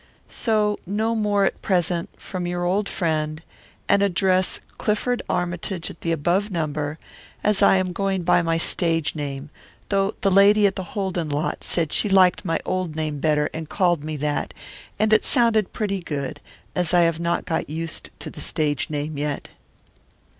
So no more at present, from your old friend, and address Clifford Armytage at above number, as I am going by my stage name, though the lady at the Holden lot said she liked my old name better and called me that, and it sounded pretty good, as I have not got used to the stage name yet.